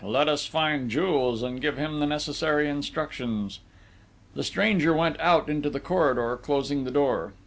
let us find Jules and give him the necessary instructions!" The stranger went out into the corridor closing the door.